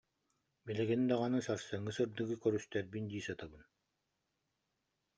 Билигин даҕаны сарсыҥҥы сырдыгы көрүстэрбин дии сытабын